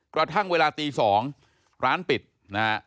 กระทั่งเวลาตี๒ร้านปิดนะฮะ